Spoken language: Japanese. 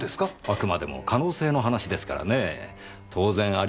あくまでも可能性の話ですからね当然ありますよ。